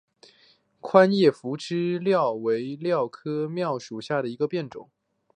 宽叶匐枝蓼为蓼科蓼属下的一个变种。